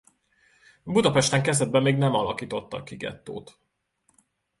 Budapesten kezdetben még nem alakítottak ki gettót.